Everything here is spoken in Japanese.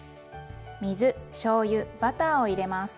水しょうゆバターを入れます。